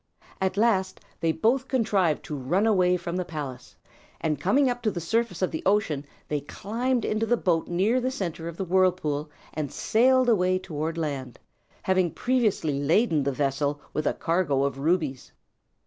At last they both contrived to run away from the palace, and coming up to the surface of the ocean they climbed into the boat near the centre of the whirlpool, and sailed away toward land, having previously laden the vessel with a cargo of rubies.